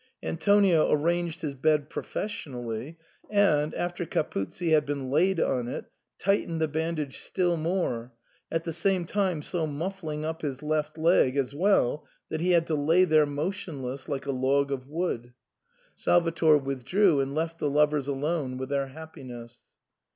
Antonio arranged his bed professionally, and, after Capuzzi had been laid on it, tightened the bandage still more, at the same time so mufBing up his left leg as well that he had to lay there motionless like a log of wood. Salvator withdrew and left the lovers alone with their happiness.